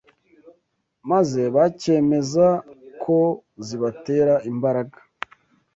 maze bakemeza ko zibatera imbaraga